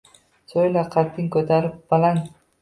So’yla, qadding ko’tarib baland.